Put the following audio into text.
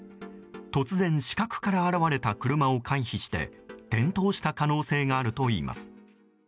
突然、死角から現れた車を回避して転倒した可能性があるといいます。